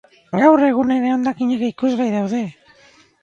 Gaur egun ere hondakinak ikusgai daude.